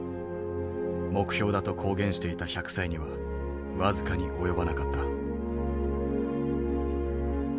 目標だと公言していた１００歳には僅かに及ばなかった。